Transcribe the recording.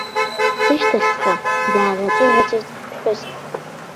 Сышьҭахьҵәҟьа дааӷьаҵәыӷьаҵәит ԥҳәыск.